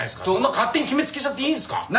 そんな勝手に決めつけちゃっていいんすか？